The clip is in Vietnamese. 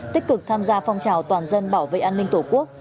tích cực tham gia phong trào toàn dân bảo vệ an ninh tổ quốc